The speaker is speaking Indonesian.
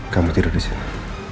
kamu tidur disini